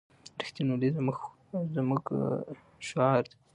رښتینولي زموږ شعار دی.